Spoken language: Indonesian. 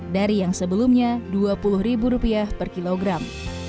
dari yang sebelumnya dua puluh ribu rupiah per kilogram